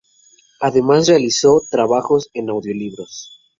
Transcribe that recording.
Además, realizó trabajos en audiolibros.